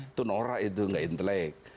itu norak itu nggak intelek